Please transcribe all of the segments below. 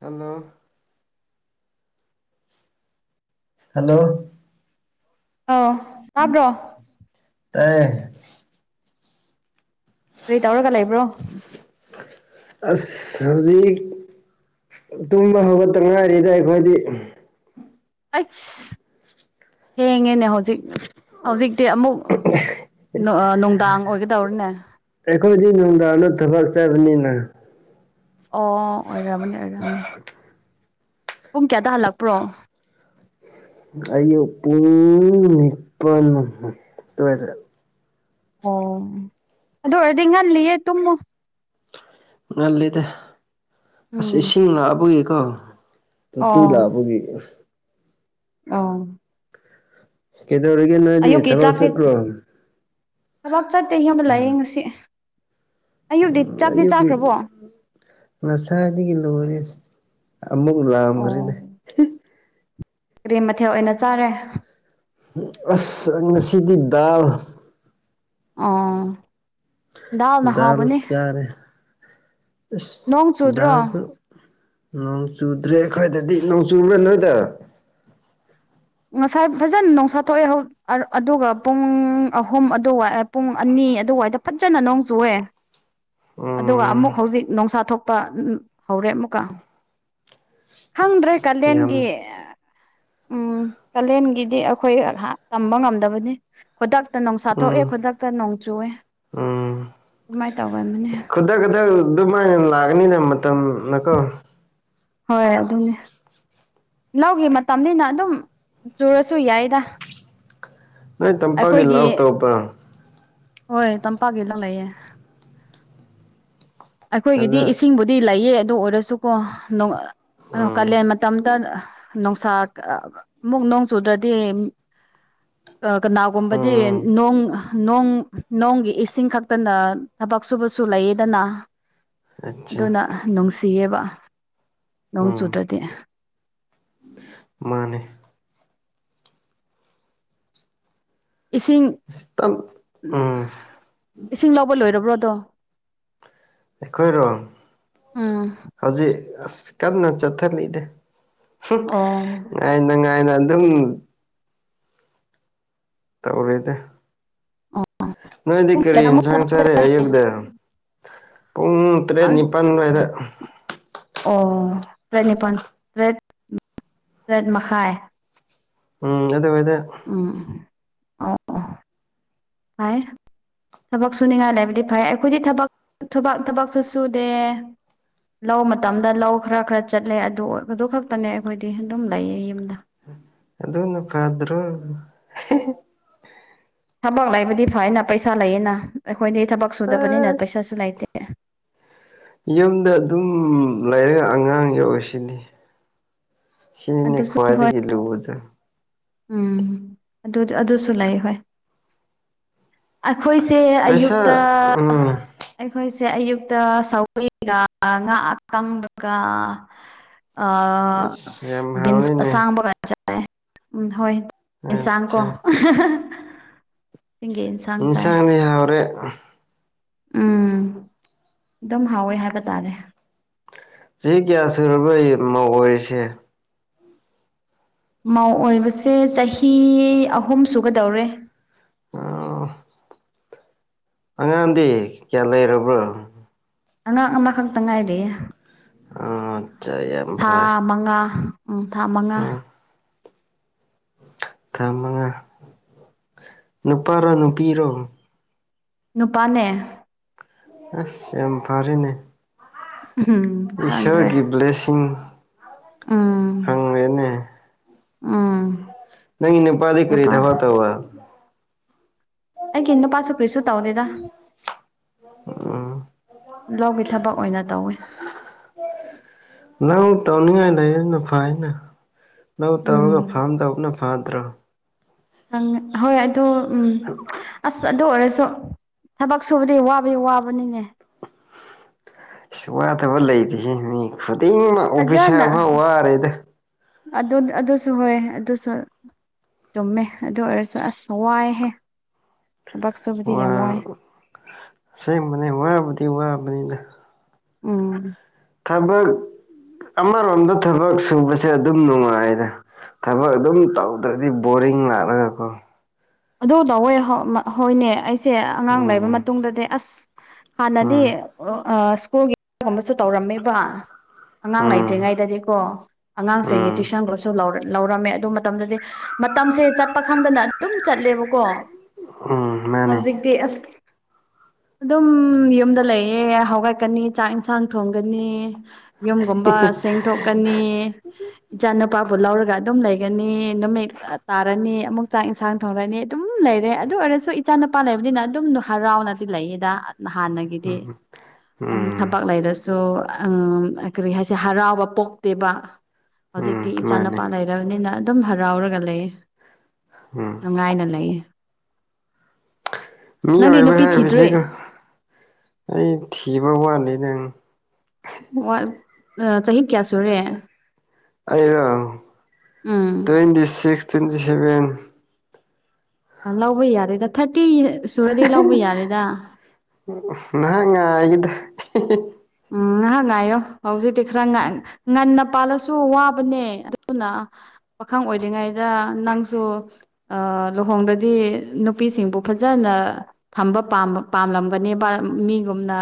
hello hello ꯑꯥꯎ ꯇꯕ꯭ꯔꯣ ꯇꯏꯌꯦ ꯀꯔꯤ ꯇꯧꯔꯒ ꯂꯩꯕ꯭ꯔꯣ ꯑꯁ ꯍꯧꯖꯤꯛ ꯇꯨꯝꯕ ꯍꯧꯒꯠꯇ ꯉꯥꯏꯔꯤꯗ ꯑꯩꯈꯣꯏꯗꯤ ꯑꯩꯁ ꯊꯦꯡꯉꯦꯅꯦ ꯍꯧꯖꯤꯛ ꯍꯧꯖꯤꯛꯇꯤ ꯑꯃꯨꯛ ꯅꯣ ꯅꯣꯡꯗꯥꯡ ꯑꯣꯏꯒꯗꯧꯔꯦꯅꯦ ꯑꯩꯈꯣꯏꯗꯤ ꯅꯨꯡꯗꯥꯡꯗ ꯊꯕꯛ ꯆꯠꯄꯅꯤꯅ ꯑꯣ ꯑꯣꯏꯔꯝꯃꯅꯤ ꯑꯣꯏꯔꯝꯅꯤ ꯄꯨꯡ ꯀꯌꯥꯗ ꯍꯜꯂꯛꯄ꯭ꯔꯣ ꯑꯌꯨꯛ ꯄꯨꯡ ꯅꯤꯄꯟ ꯃꯈꯏ ꯑꯗꯨꯋꯥꯏꯗ ꯑꯣ ꯑꯗꯨ ꯑꯣꯏꯔꯗꯤ ꯉꯜꯂꯤꯌꯦ ꯇꯨꯝꯃꯨ ꯉꯜꯂꯤꯗ ꯑꯁ ꯎꯝ ꯏꯁꯤꯡ ꯂꯥꯛꯑꯕꯒꯤꯀꯣ ꯇꯣꯇꯤ ꯑꯣ ꯂꯛꯕꯒꯤꯅꯦ ꯑꯧ ꯀꯩꯗꯧꯔꯤꯒꯦ ꯅꯣꯏꯗꯤ ꯑꯌꯨꯛꯀꯤ ꯊꯕꯛ ꯆꯥꯛꯇꯤ ꯆꯠꯄ꯭ꯔꯣ ꯊꯕꯛ ꯆꯠꯇꯦ ꯌꯨꯝꯗ ꯂꯩꯌꯦ ꯉꯁꯤ ꯑꯌꯨꯛꯗꯤ ꯆꯥꯛꯇꯤ ꯆꯥꯈ꯭ꯔꯕꯣ ꯉꯥꯁꯥꯏꯗꯒꯤ ꯂꯣꯏꯔꯦꯗ ꯑꯃꯨꯛ ꯑꯣ ꯂꯥꯝꯈ꯭ꯔꯦꯗ ꯀꯔꯤ ꯃꯊꯦꯜ ꯑꯣꯏꯅ ꯆꯥꯔꯦ ꯑꯁ ꯉꯁꯤꯗꯤ ꯗꯥꯜ ꯑꯣ ꯑꯣ ꯗꯜ ꯆꯥꯔꯦ ꯅꯣꯡ ꯆꯨꯗ꯭ꯔꯣ ꯗꯜꯁꯨ ꯅꯣꯡ ꯆꯨꯗ꯭ꯔꯦ ꯑꯩꯈꯣꯏꯗꯗꯤ ꯅꯣꯡ ꯆꯨꯕ꯭ꯔꯥ ꯅꯣꯏꯗ ꯉꯁꯥꯏ ꯐꯖꯅ ꯅꯣꯡꯁꯥ ꯊꯣꯛꯑꯦ ꯍꯧ ꯑꯗꯨꯒ ꯄꯨꯡ ꯑꯍꯨꯝ ꯑꯗꯨꯋꯥꯏ ꯄꯨꯡ ꯑꯅꯤ ꯑꯗꯨꯋꯥꯏꯗ ꯐꯖꯅ ꯅꯣꯡ ꯆꯨꯋꯦ ꯑꯗꯨꯒ ꯑꯃꯨꯛ ꯎꯝ ꯍꯧꯖꯤꯛ ꯅꯣꯡꯁꯥ ꯊꯣꯛꯄ ꯍꯧꯔꯦ ꯑꯃꯨꯛꯀ ꯈꯪꯗ꯭ꯔꯦ ꯑꯁ ꯀꯥꯂꯦꯟꯒꯤ ꯌꯥꯝ ꯎꯝ ꯀꯥꯂꯦꯟꯒꯤꯗꯤ ꯑꯩꯈꯣꯏ ꯇꯝꯕ ꯉꯝꯗꯕꯅꯤ ꯈꯨꯗꯛꯇ ꯅꯣꯡꯁꯥꯊꯣꯛꯑꯦ ꯎꯝ ꯈꯨꯗꯛꯇ ꯅꯣꯡ ꯆꯨꯋꯦ ꯎꯝ ꯑꯗꯨꯃꯥꯏ ꯇꯧꯒꯟꯕꯅꯦ ꯈꯨꯗꯛ ꯈꯨꯗꯛ ꯑꯗꯨꯃꯥꯏꯅ ꯂꯥꯛꯀꯅꯤꯗ ꯃꯇꯝꯅꯀꯣ ꯍꯣꯏ ꯑꯗꯨꯅꯦ ꯂꯧꯒꯤ ꯃꯇꯝꯅꯤꯅ ꯑꯗꯨꯝ ꯆꯨꯔꯁꯨ ꯌꯥꯏꯗ ꯅꯣꯏ ꯇꯝꯄꯥꯛꯀꯤ ꯑꯩꯈꯣꯏꯒꯤ ꯂꯧ ꯇꯧꯕ꯭ꯔꯣ ꯍꯣꯏ ꯇꯝꯄꯥꯛꯀꯤꯗ ꯂꯩꯌꯦ ꯑꯩꯈꯣꯏꯒꯤꯗꯤ ꯑꯗ ꯏꯁꯤꯡꯕꯨꯗꯤ ꯂꯩꯌꯦ ꯑꯗꯨ ꯑꯣꯏꯔꯁꯨꯀꯣ ꯅꯣꯡ ꯎꯝ ꯀꯥꯂꯦꯟ ꯃꯇꯝꯇ ꯅꯣꯡꯁꯥ ꯑꯃꯨꯛ ꯅꯣꯡ ꯆꯨꯗ꯭ꯔꯗꯤ ꯑꯥ ꯀꯅꯥꯒꯨꯝꯕꯗꯤ ꯎꯝ ꯅꯣꯡ ꯅꯣꯡ ꯅꯣꯡꯒꯤ ꯏꯁꯤꯡ ꯈꯛꯇꯅ ꯊꯕꯛ ꯁꯨꯕꯁꯨ ꯂꯩꯌꯦꯗꯅ ꯑꯠꯆꯥ ꯑꯗꯨꯅ ꯅꯨꯡꯁꯤꯌꯦꯕ ꯅꯣꯡ ꯎꯝ ꯆꯨꯗ꯭ꯔꯗꯤ ꯃꯥꯅꯦ ꯏꯁꯤꯡ ꯇꯝ ꯎꯝ [inaudible] ꯏꯁꯤꯡ ꯂꯧꯕ ꯂꯣꯏꯔꯕ꯭ꯔꯣ ꯑꯗꯣ ꯑꯩꯈꯣꯏꯔꯣ ꯎꯝ ꯍꯧꯖꯤꯛ ꯑꯁ ꯀꯟꯅ ꯆꯠꯊꯠꯅꯩꯗ ꯑꯣ [unintelligible] ꯉꯥꯏꯅ ꯉꯥꯏꯅ ꯑꯗꯨꯝ ꯇꯧꯔꯦꯗ ꯑꯣ ꯅꯣꯏꯗꯤ ꯄꯨꯡ ꯀꯔꯤ ꯀꯌꯥꯃꯨꯛ ꯏꯟꯖꯥꯡ ꯆꯥꯔꯦ ꯑꯌꯨꯛꯗ ꯄꯨꯡ ꯇꯔꯦꯠ ꯅꯤꯄꯥꯟ ꯋꯥꯏꯗ ꯑꯣ ꯇꯔꯦꯠ ꯅꯤꯄꯥꯟ ꯇꯔꯦꯠ [inaudible] ꯇꯔꯦꯠ ꯃꯈꯥꯏ ꯎꯝ ꯑꯗꯨꯋꯥꯏꯗ ꯎꯝ [unintelligible] ꯍꯥꯏ ꯊꯕꯛ ꯁꯨꯅꯤꯡꯉꯥꯏ ꯂꯩꯕꯗꯤ ꯐꯩ ꯑꯩꯈꯣꯏꯗꯤ ꯊꯕꯛ ꯊꯨꯕꯛ ꯊꯕꯛꯁꯨ ꯁꯨꯗꯦ ꯂꯧ ꯃꯇꯝꯗ ꯂꯧ ꯈꯔ ꯈꯔ ꯆꯠꯂꯦ ꯑꯗꯨ ꯑꯗꯨ ꯈꯛꯇꯅꯦ ꯑꯩꯈꯣꯏꯗꯤ ꯑꯗꯨꯝ ꯂꯩꯌꯦ ꯌꯨꯝꯗ ꯑꯗꯨꯅ ꯐꯗ꯭ꯔꯣ [unintelligible] ꯊꯕꯛ ꯂꯩꯕꯗꯤ ꯐꯩꯅ ꯄꯩꯁꯥ ꯂꯩꯌꯦꯅ ꯑꯩꯈꯣꯏꯗꯤ ꯊꯕꯛ ꯁꯨꯗꯕꯅꯤꯅ ꯑꯁ ꯄꯩꯁꯥꯁꯨ ꯂꯩꯇꯦ ꯌꯨꯝꯗ ꯑꯗꯨꯝ ꯂꯩꯔꯒ ꯑꯉꯥꯡ ꯌꯣꯛꯏꯁꯤꯅꯤ ꯁꯤꯅꯤ ꯑꯗꯨꯁꯨ ꯍꯣꯏ ꯈꯋꯥꯏꯗꯒꯤ ꯂꯨꯕꯗꯣ ꯎꯝ ꯑꯗꯨ ꯑꯗꯨꯁꯨ ꯂꯩ ꯍꯣꯏ ꯑꯩꯈꯣꯏꯁꯦ ꯑꯌꯨꯛꯇ ꯄꯩꯁꯥ ꯎꯝ ꯑꯩꯈꯣꯏꯁꯦ ꯑꯌꯨꯛꯇ ꯁꯧꯒ꯭ꯔꯤꯒ ꯉꯥ ꯑꯀꯪꯕꯒ ꯑꯥ ꯑꯁ ꯌꯥꯝ ꯕꯤꯟꯁ ꯍꯥꯎꯅꯤꯅꯦ ꯑꯁꯥꯡꯕꯒ ꯆꯥꯏ ꯎꯝ ꯍꯣꯏ ꯌꯦꯟꯁꯥꯡ ꯀꯣ ꯑꯠꯆꯥ ꯆꯤꯡꯒꯤ ꯑꯦꯟꯁ ꯑꯦꯟꯁꯥꯡꯗꯤ ꯍꯥꯎꯔꯦ ꯎꯝ ꯑꯗꯨꯝ ꯍꯥꯎꯋꯦ ꯍꯥꯏꯕ ꯇꯥꯔꯦ ꯆꯍꯤ ꯀꯌꯥ ꯁꯨꯔꯕꯣꯌꯦ ꯃꯧ ꯑꯣꯏꯔꯤꯁꯦ ꯃꯧ ꯑꯣꯏꯕꯁꯦ ꯆꯍꯤ ꯑꯍꯨꯝ ꯁꯨꯒꯗꯧꯔꯦ ꯎꯝ ꯑꯉꯥꯡꯗꯤ ꯀꯌꯥ ꯂꯩꯔꯕ꯭ꯔꯣ ꯑꯉꯥꯡ ꯑꯃꯈꯛꯇ ꯉꯥꯏꯔꯤꯌꯦ ꯑꯠꯆꯥ ꯌꯥꯝ ꯊꯥ ꯐꯔꯦ ꯃꯉꯥ ꯎꯝ ꯊꯥ ꯃꯉꯥ ꯎꯝ ꯊꯥ ꯃꯉꯥ ꯅꯨꯄꯥꯔꯣ ꯅꯨꯄꯤꯔꯣ ꯅꯨꯄꯥꯅꯦ ꯑꯁ ꯌꯥꯝ ꯐꯔꯦꯅꯦ ꯎꯝ ꯈꯪꯗ꯭ꯔꯦ ꯏꯁꯣꯔꯒꯤ ꯕ꯭ꯂꯦꯁꯤꯡ ꯎꯝ ꯍꯪꯉꯦꯅꯦ ꯎꯝ ꯅꯪꯒꯤ ꯅꯨꯄꯥꯗꯤ ꯀꯔꯤ ꯅꯨꯄꯥ ꯊꯕꯛ ꯇꯧꯕ꯭ꯔ ꯑꯩꯒꯤ ꯅꯨꯄꯥꯁꯨ ꯀꯔꯤꯁꯨꯨ ꯇꯧꯗꯦꯗ ꯎꯝ ꯂꯧꯒꯤ ꯊꯕꯛ ꯑꯣꯏꯅ ꯇꯧꯋꯦ ꯅꯪ ꯇꯧꯅꯤꯡꯉꯥꯏ ꯂꯩꯌꯦꯗꯣ ꯐꯩꯏꯅꯦ ꯂꯧ ꯇꯧꯔꯒ ꯎꯝ ꯐꯥꯝ ꯇꯧꯕꯅ ꯐꯗ꯭ꯔꯣ ꯑꯪ ꯍꯣꯏ ꯑꯗꯨ ꯎꯝ ꯑꯁ ꯑꯗꯨ ꯑꯣꯏꯔꯁꯨ ꯊꯕꯛ ꯁꯨꯕꯗꯤ ꯋꯥꯕꯗꯤ ꯋꯥꯕꯅꯤꯅꯦ ꯏꯁ ꯋꯥꯗꯕ ꯂꯩꯇꯦꯍꯦ ꯃꯤ ꯈꯨꯗꯤꯡꯃꯛ ꯐꯖꯅ ꯑꯣꯐꯤꯁꯥꯔ ꯐꯥꯎ ꯋꯥꯔꯦꯗ ꯑꯗꯨ ꯑꯗꯨꯁꯨ ꯍꯣꯏ ꯑꯗꯨꯁꯨ ꯆꯨꯝꯃꯦ ꯑꯗꯨ ꯑꯣꯏꯔꯁꯨ ꯑꯁ ꯋꯥꯏꯍꯦ ꯊꯕꯛ ꯁꯨꯕꯗꯤ ꯌꯥꯝ ꯋꯥꯏ ꯋꯥ ꯑꯁꯦꯡꯕꯅꯦ ꯋꯥꯕꯨꯗꯤ ꯋꯥꯕꯅꯤꯗ ꯎꯝ ꯊꯕꯛ ꯑꯃꯔꯣꯝꯗ ꯊꯕꯛ ꯁꯨꯕꯁꯦ ꯑꯗꯨꯝ ꯅꯨꯡꯉꯥꯏꯗ ꯊꯕꯛ ꯑꯗꯨꯝ ꯇꯧꯗ꯭ꯔꯥꯗꯤ ꯕꯣꯔꯤꯡ ꯂꯥꯛꯂꯒꯀꯣ ꯑꯗꯨ ꯗꯧꯋꯦ ꯍꯣ ꯍꯣꯏꯅꯦ ꯑꯩꯁꯦ ꯑꯉꯥꯡ ꯂꯩꯕ ꯎꯝ ꯃꯠ ꯇꯨꯡꯗꯥꯗꯤ ꯑꯁ ꯍꯥꯟꯅꯗꯤ ꯎꯝ ꯑꯥ ꯁ꯭ꯀꯨꯜꯒꯤꯒꯨꯝꯕꯁꯨ ꯇꯧꯔꯝꯃꯦꯕ ꯑꯉꯥꯡ ꯎꯝ ꯂꯩꯇ꯭ꯔꯤꯉꯩꯗꯗꯤꯀꯣ ꯑꯉꯥꯡꯁꯤꯡꯒꯤ ꯎꯝ ꯇꯨꯏꯁꯟꯗꯨꯁꯨ ꯂꯧ ꯂꯧꯔꯝꯃꯦ ꯑꯗꯨ ꯃꯠ ꯇꯝꯗꯥꯗꯤ ꯃꯇꯝꯁꯦ ꯆꯠꯄ ꯈꯪꯗꯅ ꯑꯗꯨꯝ ꯆꯠꯂꯦꯕꯀꯣ ꯎꯝ ꯃꯥꯅꯦ ꯍꯧꯖꯤꯛ ꯇꯤ ꯑꯁ ꯑꯗꯨꯝ ꯌꯨꯝꯗ ꯂꯩꯌꯦ ꯍꯧꯒꯠꯀꯥꯅꯤ ꯆꯥꯛ ꯏꯟꯁꯥꯡ ꯊꯣꯡꯒꯅꯤ ꯌꯨꯝꯒꯨꯝꯕ ꯁꯦꯡꯊꯣꯛꯀꯥꯅꯤ ꯏꯆꯥ ꯅꯨꯨꯄꯥꯕꯨ ꯂꯧꯔꯒ ꯑꯗꯨꯝ ꯂꯩꯒꯅꯤ ꯅꯨꯃꯤꯠ ꯇꯥꯔꯅꯤ ꯑꯃꯨꯛ ꯆꯥꯛ ꯏꯟꯁꯥꯡ ꯊꯧꯔꯥꯅꯤ ꯑꯗꯨꯝ ꯂꯩꯔꯦ ꯑꯗꯨ ꯑꯣꯏꯔꯁꯨ ꯏꯆꯥ ꯅꯨꯄꯥ ꯂꯩꯕꯅꯤꯅ ꯑꯗꯨꯝ ꯍꯔꯥꯎꯅꯗꯤ ꯂꯩꯌꯦꯗ ꯅꯍꯥꯟꯅ ꯒꯤꯗꯤ ꯎꯝ ꯑꯝ ꯎꯝ ꯊꯕꯥꯛ ꯂꯩꯔꯁ ꯁꯨ ꯑꯥꯝ ꯑꯥ ꯀꯔꯤ ꯍꯥꯏꯁꯦ ꯍꯔꯥꯎꯕ ꯄꯣꯛꯇꯦꯕ ꯎꯝ ꯍꯧꯖꯤꯛꯇꯤ ꯃꯥꯅꯦ ꯏꯆꯥꯅꯨꯄꯥ ꯂꯩ ꯔꯥꯕꯅꯤꯅ ꯑꯗꯨꯝ ꯍꯔꯥꯎꯔꯒ ꯂꯩ ꯎꯝ ꯉꯥꯏꯅ ꯂꯩꯌꯦ ꯃꯤ ꯅꯪꯗꯤ ꯑꯣꯏꯕ ꯅꯨꯄꯤ ꯊꯤꯗ꯭ꯔꯤ ꯍꯥꯏꯕꯁꯤꯒꯣ ꯑꯩ ꯊꯤꯕ ꯋꯥꯠꯂꯤ ꯅꯪ [unintelligible] ꯑꯥ ꯆꯍꯤ ꯀꯌꯥ ꯁꯨꯔꯦ ꯑꯩꯔꯣ um twenty six twenty seven ꯑꯥ ꯂꯧꯕ ꯌꯥꯔꯦꯗ ꯊꯥꯔꯇꯤ ꯁꯨꯔꯗꯤ ꯂꯧꯕ ꯌꯥꯔꯦꯗ ꯅꯍꯥꯛ ꯉꯥꯏꯒꯦꯗꯥ ꯎꯝ ꯉꯥꯍꯛ ꯉꯥꯏꯌꯣ ꯍꯧꯖꯤꯛꯇꯤ ꯈꯔ ꯉꯥꯏ ꯉꯟꯅ ꯄꯥꯜꯂꯁꯨ ꯋꯥꯕꯅꯦ ꯑꯗꯨꯅ ꯄꯥꯈꯪ ꯑꯣꯏꯗꯔꯤꯉꯩꯗ ꯅꯪꯁꯨ ꯑꯥ ꯂꯨꯍꯣꯡꯗ꯭ꯔꯥꯗꯤ ꯅꯨꯄꯤꯁꯤꯡꯕꯨ ꯐꯖꯅ ꯊꯝꯕ ꯄꯥꯝꯕ ꯄꯥꯝꯂꯝꯒꯅꯦꯕ ꯃꯤꯒꯨꯝꯅ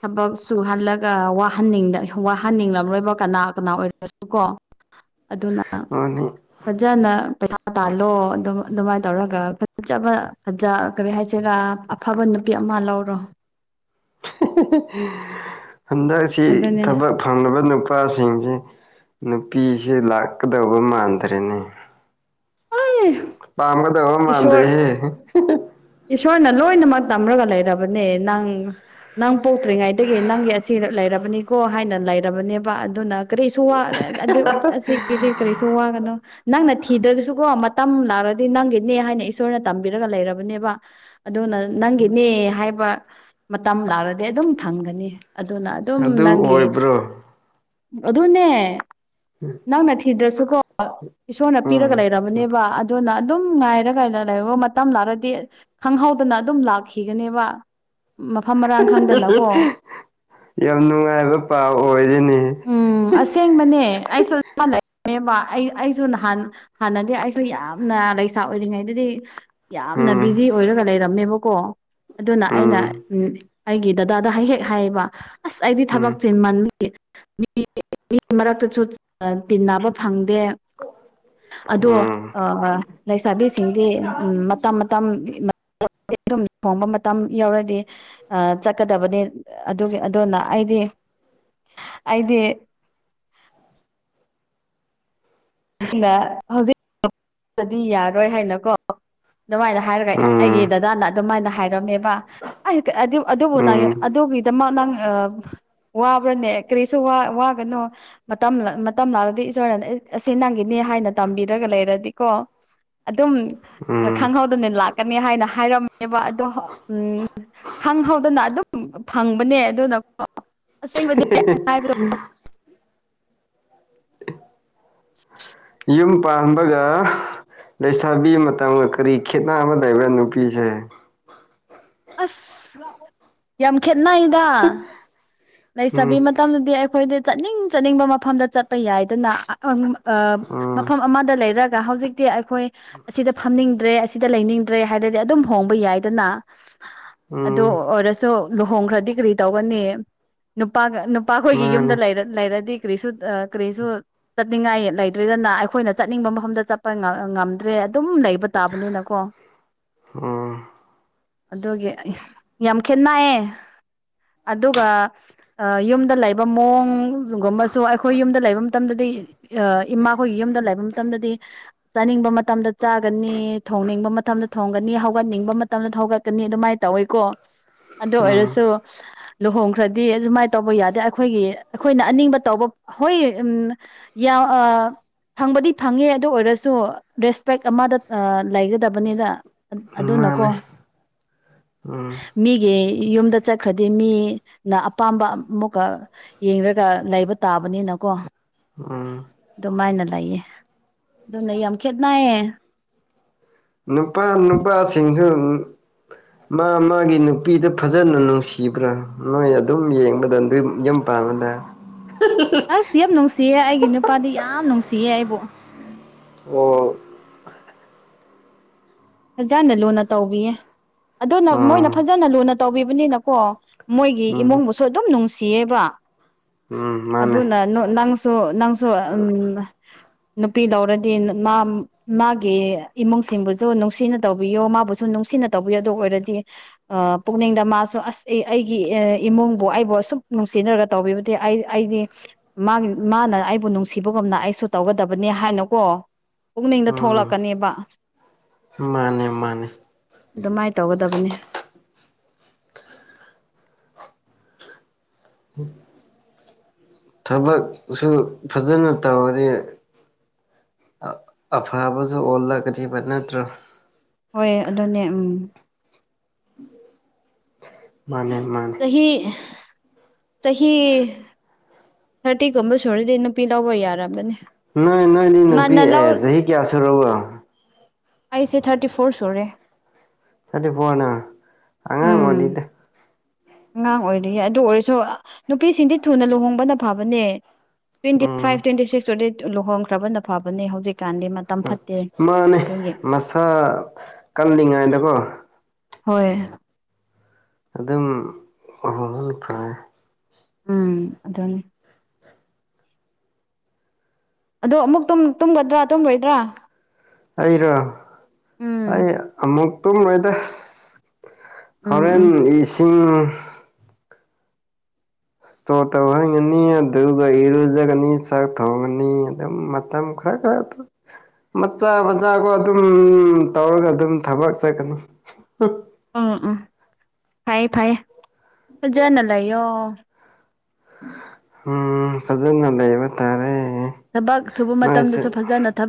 ꯊꯕꯛ ꯆꯨꯍꯜꯂꯒ ꯋꯥꯍꯟꯅꯤꯡꯗ ꯋꯥꯍꯟꯅꯤꯡꯂꯝꯔꯣꯏꯕ ꯀꯅꯥ ꯀꯅꯥ ꯑꯣꯏꯔꯁꯨ ꯀꯣ ꯑꯗꯨꯅ ꯃꯥꯅꯤ ꯐꯖꯅ ꯄꯩꯁꯥ ꯇꯥꯜꯂꯣ ꯑꯗꯨꯝ ꯑꯗꯨꯃꯥꯏꯅ ꯇꯧꯔꯒ ꯐꯖꯕ ꯐꯖꯥ ꯀꯔꯤ ꯍꯥꯏꯁꯤꯔꯥ ꯑꯐꯕ ꯅꯨꯄꯤ ꯑꯃ ꯂꯧꯔꯣ ꯍꯟꯗꯛꯁꯤ ꯑꯗꯨꯅꯦ ꯊꯕꯛ ꯐꯪꯗꯕ ꯅꯨꯄꯥꯁꯤꯡꯁꯤ ꯅꯨꯄꯤꯁꯤ ꯂꯥꯛꯀꯥꯗꯕ ꯃꯥꯟꯗ꯭ꯔꯦꯅꯦ ꯑꯩ ꯄꯥꯝꯒꯥꯗꯕ ꯃꯥꯟꯗꯦꯔꯦꯍꯦ ꯏꯁꯣꯔꯅ ꯂꯣꯏꯅꯃꯛ ꯇꯝꯔꯥꯒ ꯂꯩꯔꯕꯅꯦ ꯅꯪ ꯅꯪ ꯄꯣꯛꯇ꯭ꯔꯤꯉꯩꯗꯒꯤ ꯅꯪꯒꯤ ꯑꯁꯤ ꯂꯩꯔꯕꯅꯤꯀꯣ ꯍꯥꯏꯅ ꯂꯩꯔꯕꯅꯦꯕ ꯑꯗꯨꯅ ꯀꯔꯤꯁꯨ ꯋꯥ ꯑꯗꯨ ꯑꯁꯤꯒꯤꯗꯤ ꯀꯔꯤꯁꯨ ꯋꯥꯒꯅꯣ ꯅꯪꯅ ꯊꯤꯗ꯭ꯔꯥꯁꯨꯀꯣ ꯃꯇꯝ ꯂꯥꯛꯂꯗꯤ ꯅꯪꯒꯤꯅꯦ ꯍꯥꯏꯅ ꯏꯁꯣꯔꯅ ꯇꯝꯕꯤꯔꯒ ꯂꯩꯔꯕꯅꯦꯕ ꯑꯗꯨꯅ ꯅꯪꯒꯤꯅꯦ ꯍꯥꯏꯕ ꯃꯇꯝ ꯂꯥꯛꯔꯥꯗꯤ ꯑꯗꯨꯝ ꯐꯪꯒꯅꯤ ꯑꯗꯨꯅ ꯑꯗꯨꯝ ꯑꯗꯨ ꯅꯪꯒꯤ ꯑꯣꯏꯕ꯭ꯔꯣ ꯑꯗꯨꯅꯦ ꯎꯝ ꯅꯪꯅ ꯊꯤꯗ꯭ꯔꯥꯁꯨꯀꯣ ꯏꯁꯣꯔꯅ ꯄꯤꯔꯒ ꯎꯝ ꯂꯩꯔꯕꯅꯦꯕ ꯑꯗꯨꯅ ꯑꯗꯨꯝ ꯉꯥꯏꯔꯒ [unintelligible] ꯂꯩ ꯃꯇꯝ ꯂꯥꯔꯗꯤ ꯈꯪꯍꯧꯗꯅ ꯑꯗꯨꯝ ꯂꯥꯛꯈꯤꯒꯅꯦꯕ ꯃꯐꯝ ꯃꯔꯥꯡ ꯈꯪꯗꯅꯀꯣ ꯌꯥꯝ ꯅꯨꯡꯉꯥꯏꯕ ꯄꯥꯎ ꯑꯣꯏꯔꯦꯅꯤ ꯎꯝ ꯑꯁꯦꯡꯕꯅꯦ ꯑꯩꯁꯨ ꯂꯩꯅꯦꯕ ꯑꯩ ꯑꯩꯁꯨ ꯅꯍꯥꯟ ꯍꯥꯟꯅꯗꯤ ꯑꯩꯁꯨ ꯌꯥꯝꯅ ꯂꯩꯁꯥ ꯑꯣꯏꯔꯤꯉꯩꯗꯗꯤ ꯌꯥꯝꯅ ꯎꯝ ꯕꯤꯖꯤ ꯑꯣꯏꯔꯒ ꯂꯩꯔꯝꯃꯦꯕꯀꯣ ꯑꯗꯨꯅ ꯑꯩꯅ ꯎꯝ ꯑꯩꯒꯤ ꯗꯗꯥꯗ ꯍ ꯍꯦꯛ ꯍꯥꯏꯌꯦꯕ ꯑꯁ ꯑꯩꯗꯤ ꯊꯕꯛ ꯆꯦꯃꯟꯕꯒꯤ ꯃꯤ ꯃꯔꯛꯇꯁꯨ ꯇꯤꯟꯅꯕ ꯐꯪꯗꯦ ꯑꯗꯣ ꯎꯝ ꯂꯩꯁꯥꯕꯤꯁꯤꯡꯗꯤ ꯎꯝ ꯃꯇꯝ ꯃꯇꯝ ꯑꯗꯨꯝ ꯊꯣꯡꯕ ꯃꯇꯝ ꯌꯥꯎꯔꯗꯤ ꯑꯥ ꯆꯠꯀꯗꯕꯅꯤ ꯑꯗꯨꯒꯤ ꯑꯗꯨꯅ ꯑꯩꯗꯤ ꯑꯗꯤ ꯑꯗ ꯍꯧꯖꯤꯛꯗꯤ ꯌꯥꯔꯣꯏ ꯍꯥꯏꯅꯀꯣ ꯑꯗꯨꯃꯥꯏꯅ ꯍꯥꯏꯔꯒ ꯑꯩꯒꯤ ꯎꯝ ꯗꯗꯥꯅ ꯑꯗꯨꯃꯥꯏꯅ ꯍꯥꯏꯔꯝꯃꯦꯕ ꯑꯗꯨꯕꯨ ꯎꯝ ꯅꯪ ꯎꯝ ꯑꯗꯨꯒꯤꯗꯃꯛ ꯅꯪ ꯑꯥ ꯋꯥꯕ꯭ꯔꯥꯅꯦ ꯀꯔꯤꯁꯨ ꯋꯥꯒꯅꯣ ꯃꯇꯝ ꯃꯇꯝ ꯂꯥꯛꯂꯗꯤ ꯏꯁꯣꯔꯅꯦ ꯑꯁꯤ ꯅꯪꯒꯤꯅꯦ ꯍꯥꯏꯅ ꯇꯝꯕꯤꯔꯒ ꯂꯩꯔꯗꯤꯀꯣ ꯑꯗꯨꯝ ꯎꯝ ꯈꯪꯍꯧꯗꯅ ꯂꯥꯛꯀꯅꯤ ꯍꯥꯏꯅ ꯍꯥꯏꯔꯝꯃꯦꯕ ꯑꯗꯣ ꯎꯝ ꯈꯪꯍꯧꯗꯅ ꯑꯗꯨꯝ ꯐꯪꯕꯅꯦ ꯑꯗꯨꯅ ꯑꯁꯦꯡꯕꯗꯤ ꯍꯥꯏꯕꯗꯣ [inaudible] ꯌꯨꯝ ꯄꯥꯟꯕꯒ ꯂꯩꯁꯥꯕꯤ ꯃꯇꯝꯒ ꯀꯔꯤ ꯈꯦꯠꯅꯕ ꯑꯃ ꯂꯩꯕ꯭ꯔꯥ ꯅꯨꯄꯤꯁꯦ ꯑꯁ ꯌꯥꯝ ꯈꯦꯠꯅꯩꯗ ꯂꯩꯁꯥꯕꯤ ꯎꯝ ꯃꯇꯝꯗꯗꯤ ꯑꯩꯈꯣꯏꯗꯤ ꯆꯠꯅꯤꯡ ꯆꯠꯅꯤꯡꯕ ꯃꯐꯝꯗ ꯆꯠꯄ ꯌꯥꯏꯗꯅ ꯎꯝ ꯃꯐꯝ ꯑꯃꯗ ꯂꯩꯔꯒ ꯍꯧꯖꯤꯛꯇꯤ ꯑꯩꯈꯣꯏ ꯑꯁꯤꯗ ꯐꯝꯅꯤꯡꯗ꯭ꯔꯦ ꯑꯁꯤꯗ ꯂꯩꯅꯤꯡꯗ꯭ꯔꯦ ꯍꯥꯏꯔꯗꯤ ꯑꯗꯨꯝ ꯍꯣꯡꯕ ꯌꯥꯏꯗꯅ ꯎꯝ ꯑꯗꯨꯑꯣꯏꯔꯁꯨ ꯂꯨꯍꯣꯡꯈꯥꯔꯗꯤ ꯀꯩꯗꯧꯅꯤ ꯅꯨꯄꯥ ꯅꯨꯄꯥ ꯈꯣꯏꯒꯤ ꯌꯨꯝꯗ ꯃꯥꯅꯦ ꯂꯩꯔꯗꯤ ꯀ꯭ꯔꯤꯁ ꯀ꯭ꯔꯤꯁꯁꯨ ꯆꯠꯅꯤꯡꯉꯥꯏ ꯂꯩꯇ꯭ꯔꯤꯗꯅ ꯑꯩꯈꯣꯏꯅ ꯆꯠꯅꯤꯡꯕ ꯃꯐꯝꯗ ꯆꯠꯄ ꯉꯝꯗ꯭ꯔꯦ ꯑꯗꯨꯝ ꯂꯩꯕ ꯇꯥꯕꯅꯤꯅꯀꯣ ꯎꯝ ꯑꯗꯨꯒꯤ ꯌꯥꯝ ꯈꯦꯠꯅꯌꯦ ꯑꯗꯨꯒ ꯌꯨꯝꯗ ꯂꯩꯕ ꯃꯑꯣꯡ ꯒꯨꯝꯕꯁꯨ ꯑꯩꯈꯣꯏ ꯌꯨꯝꯗ ꯂꯩꯕ ꯃꯇꯝꯗꯗꯤ ꯑ ꯏꯃꯥꯈꯣꯏꯒꯤ ꯌꯨꯝꯗ ꯂꯩꯕ ꯃꯇꯝꯗꯗꯤ ꯆꯥꯅꯤꯡꯕ ꯃꯇꯝꯗ ꯆꯥꯒꯅꯤ ꯊꯣꯡꯅꯤꯡꯕ ꯃꯇꯝꯗ ꯊꯣꯡꯒꯅꯤ ꯍꯧꯒꯠꯅꯤꯡꯕ ꯃꯇꯝꯗ ꯍꯧꯒꯠ ꯅꯤ ꯑꯗꯨꯃꯥꯏꯅ ꯇꯧꯋꯤꯀꯣ ꯑꯗꯨ ꯎꯝ ꯑꯣꯏꯔꯁꯨ ꯂꯨꯍꯣꯡꯈ꯭ꯔꯗꯤ ꯑꯗꯨꯃꯥꯏꯅ ꯇꯧꯕ ꯌꯥꯗꯦ ꯑꯩꯈꯣꯏꯒꯤ ꯑꯩꯈꯣꯏꯅ ꯑꯅꯤꯡꯕ ꯇꯧꯕ ꯍꯣꯏ ꯎꯝ ꯌꯥꯎ ꯑꯥ ꯐꯪꯕꯗꯤ ꯐꯪꯉꯦ ꯑꯗꯨ ꯑꯣꯏꯔꯁꯨ ꯔꯦꯁꯄꯦꯛ ꯑꯃꯗ ꯑꯥ ꯂꯩꯒꯗꯕꯅꯤꯅ ꯑꯗꯨꯅꯀꯣ ꯃꯥꯅꯦ ꯎꯝ ꯃꯤꯒꯤ ꯌꯨꯝꯗ ꯆꯠꯈ꯭ꯔꯗꯤ ꯃꯤꯅ ꯑꯄꯥꯝꯕ ꯑꯃꯨꯛꯀ ꯌꯦꯡꯒ ꯂꯩꯕ ꯇꯥꯕꯅꯤꯅꯀꯣ ꯎꯝ ꯑꯗꯨꯃꯥꯏꯅ ꯂꯩꯌꯦ ꯑꯗꯨꯅ ꯌꯥꯝ ꯈꯦꯠꯅꯏꯌꯦ ꯅꯨꯄꯥ ꯅꯨꯄꯥꯁꯤꯡꯁꯨ ꯃꯥ ꯃꯥꯒꯤ ꯅꯨꯄꯤꯗ ꯐꯖꯅ ꯅꯨꯡꯁꯤꯕ꯭ꯔꯥ ꯅꯣꯏ ꯑꯗꯨꯝ ꯌꯦꯡꯕꯗ ꯑꯗꯨ ꯌꯨꯝ ꯄꯥꯕꯗ ꯑꯁ ꯌꯥꯝ ꯅꯨꯡꯁꯤꯌꯦ ꯑꯩꯒꯤ ꯅꯨꯄꯥꯗꯤ ꯌꯥꯝ ꯅꯨꯡꯁꯤꯌꯦ ꯑꯩꯕꯨ ꯑꯣ ꯐꯖꯅ ꯂꯨꯅ ꯇꯧꯕꯤꯌꯦ ꯑꯗꯨꯅ ꯃꯣꯏꯅ ꯎꯝ ꯐꯖꯅ ꯂꯨꯅ ꯇꯧꯕꯤꯕꯅꯤꯅꯀꯣ ꯃꯣꯏꯒꯤ ꯎꯝ ꯏꯃꯨꯡꯕꯨꯁꯨ ꯑꯗꯨꯝ ꯅꯨꯡꯁꯤꯌꯦꯕ ꯎꯝ ꯃꯥꯅꯦ ꯑꯗꯨꯅ ꯅꯪꯁꯨ ꯅꯪꯁꯨ ꯎꯝ ꯅꯨꯄꯤ ꯂꯧꯔꯗꯤ ꯃꯥ ꯃꯥꯒꯤ ꯏꯃꯨꯡꯁꯤꯡꯕꯨꯁꯨ ꯅꯨꯡꯁꯤꯅ ꯇꯧꯕꯤꯌꯣ ꯃꯥꯕꯨꯁꯨ ꯅꯨꯡꯁꯤꯅ ꯇꯧꯕꯤꯌꯣ ꯑꯗꯨ ꯑꯣꯏꯔꯗꯤ ꯄꯨꯛꯅꯤꯡꯗ ꯃꯥꯁꯨ ꯑꯁ ꯑꯩꯒꯤ ꯏꯃꯨꯡꯕꯨ ꯑꯩꯕꯨ ꯑꯁꯨꯛ ꯅꯨꯡꯁꯤꯅꯔꯒ ꯇꯧꯕꯤꯕꯗꯤ ꯑꯩ ꯑꯩꯗꯤ ꯃꯥꯒꯤ ꯃꯥꯅ ꯑꯩꯕꯨ ꯅꯨꯡꯁꯤꯕꯒꯨꯝꯅ ꯑꯩꯁꯨ ꯇꯧꯒꯗꯕꯅꯤ ꯍꯥꯏꯅꯀꯣ ꯄꯨꯛꯅꯤꯡꯗ ꯎꯝ ꯊꯣꯛꯂꯛꯀꯅꯦꯕ ꯃꯥꯅꯦ ꯃꯥꯅꯦ ꯑꯗꯨꯃꯥꯏꯅ ꯇꯧꯒꯗꯕꯅꯤ ꯊꯕꯛꯁꯨ ꯐꯖꯅ ꯇꯧꯔꯗꯤ ꯑꯐꯕꯁꯨ ꯑꯣꯜꯂꯛꯒꯅꯤꯕ ꯅꯠꯇ꯭ꯔꯣ ꯍꯣꯏ ꯑꯗꯨꯅꯦ ꯎꯝ ꯃꯥꯅꯦ ꯃꯥꯅꯦ ꯆꯍꯤ ꯆꯍꯤ ꯊꯔꯇꯤꯒꯨꯝꯕ ꯁꯨꯔꯗꯤ ꯅꯨꯄꯤ ꯂꯧꯕ ꯌꯥꯔꯕꯅꯤ ꯅꯣꯏ ꯅꯣꯏꯗꯤ ꯅꯨꯄꯤ ꯑꯦ ꯆꯍꯤ ꯀꯌꯥ ꯁꯨꯔꯕ ꯑꯩꯁꯦ ꯊꯔꯇꯤ ꯐꯣꯔ ꯁꯨꯔꯦ ꯊꯔꯇꯤ ꯐꯣꯔꯅ ꯑꯉꯥꯡ ꯎꯝ ꯑꯣꯏꯔꯤꯗ ꯑꯉꯥꯡ ꯑꯣꯏꯔꯤꯌꯦ ꯑꯗꯨ ꯑꯣꯏꯔꯁꯨ ꯅꯨꯄꯤꯁꯤꯡꯗꯤ ꯊꯨꯅ ꯂꯨꯍꯣꯡꯕꯅ ꯐꯕꯅꯦ ꯇ꯭ꯋꯦꯟꯇꯤ ꯐꯥꯏꯚ ꯎꯝ ꯇ꯭ꯋꯦꯟꯇꯤ ꯁꯤꯛꯁꯇꯨ ꯂꯨꯍꯣꯡꯈ꯭ꯔꯕꯅ ꯐꯕꯅꯦ ꯍꯧꯖꯤꯛꯀꯥꯟꯗꯤ ꯃꯇꯝ ꯐꯠꯇꯦ ꯃꯥꯅꯦ ꯑꯗꯨꯒꯤ ꯃꯁꯥ ꯀꯜꯂꯤꯉꯩꯗꯀꯣ ꯍꯣꯏ ꯑꯗꯨꯝ ꯑꯍꯣꯡ ꯐꯔꯦ ꯎꯝ ꯑꯗꯨꯅꯤ ꯑꯗꯣ ꯑꯃꯨꯛ ꯇꯨꯝ ꯇꯨꯝꯒꯗ꯭ꯔꯥ ꯇꯨꯝꯔꯣꯏꯗ꯭ꯔꯥ ꯑꯩꯔꯣ ꯎꯝ ꯑꯩ ꯑꯃꯨꯛ ꯇꯨꯝꯔꯣꯏꯗ ꯎꯝ ꯍꯣꯔꯦꯟ ꯎꯝ ꯏꯁꯤꯡ ꯏꯁꯇꯣꯔ ꯇꯧꯍꯟꯒꯅꯤ ꯑꯗꯨꯒ ꯏꯔꯨꯖꯒꯅꯤ ꯆꯥꯛ ꯊꯣꯡꯒꯅꯤ ꯑꯗꯨꯝ ꯃꯇꯝ ꯃꯆꯥ ꯃꯆꯥꯀꯣ ꯑꯗꯨꯝ ꯇꯧꯔꯒ ꯑꯗꯨꯝ ꯊꯕꯛ ꯆꯠꯀꯅꯨ ꯎꯝ ꯎꯝ ꯐꯩ ꯐꯩꯌꯦ ꯐꯖꯅ ꯂꯩꯌꯣ ꯎꯝ ꯐꯖꯅ ꯂꯩꯕ ꯇꯥꯔꯦ ꯊꯕꯛ ꯁꯨꯕ ꯅꯣꯏꯁꯨ ꯃꯇꯝꯗꯁꯨ ꯐꯖꯅ ꯊꯕꯛ